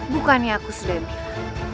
bukannya aku sudah bilang